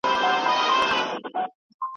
لا طبیب نه وو راغلی د رنځور نصیب تر کوره